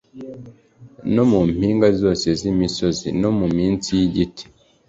no mu mpinga zose z imisozi no munsi y igiti